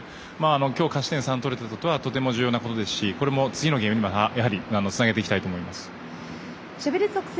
今日、勝ち点３を取れたことはとても重要なことですしこれも次のゲームにつなげていきたいと思っています。